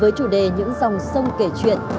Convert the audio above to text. với chủ đề những dòng sông kể chuyện